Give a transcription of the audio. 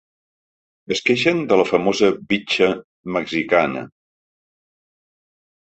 Es queixen de la famosa “bitxa” mexicana.